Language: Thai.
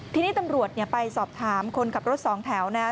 ที่นี่ตำรวจไปสอบถามคนขับรถ๒แถวนะ